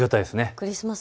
クリスマス